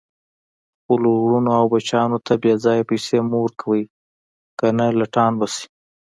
خپلو ورونو او بچیانو ته بیځایه پیسي مه ورکوئ، کنه لټان به شي